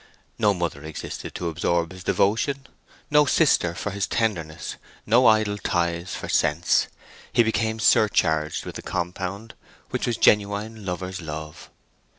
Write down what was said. No mother existed to absorb his devotion, no sister for his tenderness, no idle ties for sense. He became surcharged with the compound, which was genuine lover's love.